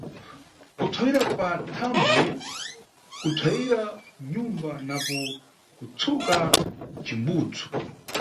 Kupsayira pathanbwe, kupsayira nʼnyumba napo kutsuka nʼcimbudzu.